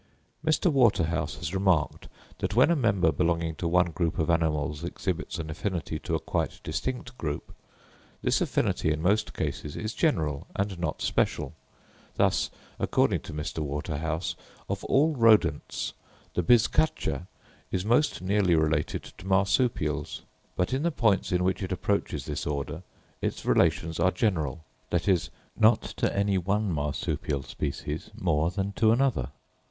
Mr. Waterhouse has remarked that when a member belonging to one group of animals exhibits an affinity to a quite distinct group, this affinity in most cases is general and not special: thus, according to Mr. Waterhouse, of all Rodents, the bizcacha is most nearly related to Marsupials; but in the points in which it approaches this order, its relations are general, that is, not to any one Marsupial species more than to another.